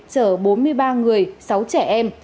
chở bốn mươi ba người sáu trẻ em